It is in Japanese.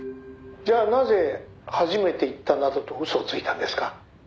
「じゃあなぜ初めて行ったなどと嘘をついたんですか？」